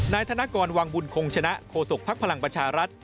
นายธนกรวังบุญคงชนะโฆษกภักดิ์พลังประชารัฐ